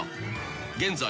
［現在